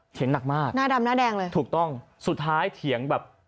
เถียงหนักมากสุดท้ายเถียงคือแบบ